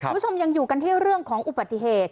คุณผู้ชมยังอยู่กันที่เรื่องของอุบัติเหตุ